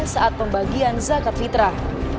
saat pembagian zakat fitrah